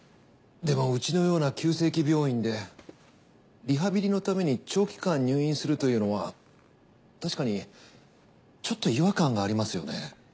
でもうちのような急性期病院でリハビリのために長期間入院するというのは確かにちょっと違和感がありますよね。